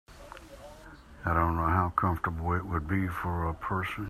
I don’t know how comfortable it would be for a person.